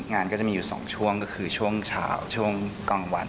งานก็จะมีอยู่๒ช่วงก็คือช่วงเช้าช่วงกลางวัน